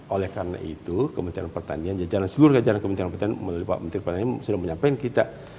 oleh karena itu kementerian pertanian jajaran seluruh jajaran kementerian pertanian melalui pak menteri pertanian sudah menyampaikan kita